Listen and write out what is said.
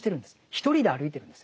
一人で歩いてるんですよね。